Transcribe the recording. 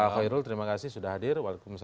pak khairul terima kasih sudah hadir